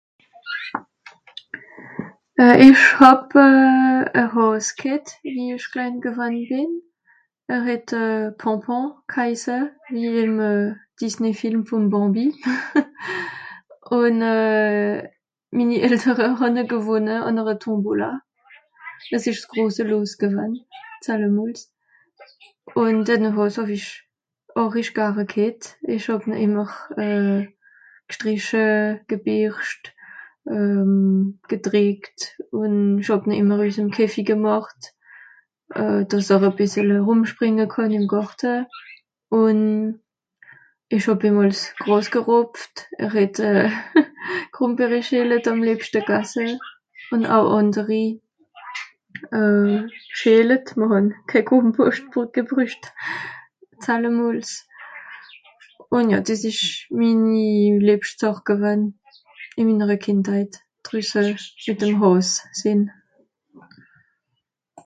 euh Ìch hàb euh e Hààs ghet, wie ìch klein gewann bìn. Er het euh Panpan gheisse, wie ìm euh Disneyfilm vom Bambi. Ùn euh mini Eltere hàn ne gewonne àn ere Tombola. Dìs ìsch s grose los gewan, zallemols. Un denne Hààs hàw ich ààrisch gare ghet. Ìch hàb ne ìmmer euh gschtrische, geberscht, euhm gedreckt ùn ìch hàb ne ìmmer üs'm Käfi gemàcht, euh dàss er e bissele rùmspringe kànn ìm Gàrte. Ùn ìch hàb'm àls Gràs geropft. Er het euh Grùmbeereschelet àm liebschte gasse. Ùn au ànderi euhm Schelet, m'r hàn kenn Komposcht gebrücht, zallemols. Ùn ja dìs ìch mini liebscht Sàch gewann, ìn minere Kìndheit, drüsse, mìt'm Hàs sìn.